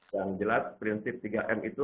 yang jelas prinsip tiga m itu